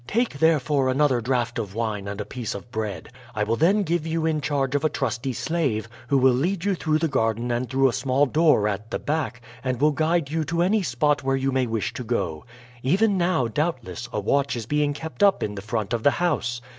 Take, therefore, another draught of wine and a piece of bread. I will then give you in charge of a trusty slave, who will lead you through the garden and through a small door at the back, and will guide you to any spot where you may wish to go. Even now, doubtless, a watch is being kept up in the front of the house.